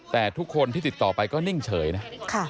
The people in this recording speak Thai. แต่ทุกคนที่ติดต่อไปก็นิ่งเฉยนะ